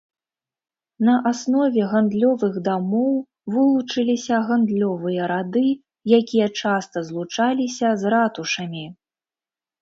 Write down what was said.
На аснове гандлёвых дамоў вылучыліся гандлёвыя рады, якія часта злучаліся з ратушамі.